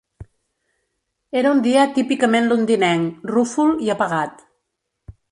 Era un dia típicament londinenc, rúfol i apagat.